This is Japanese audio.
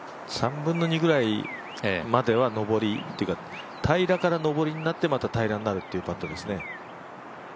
３分の２ぐらいまでは上りというか平らから、上りになって、また平らになるというパットですね。